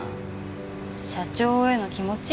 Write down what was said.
社長への気持ち？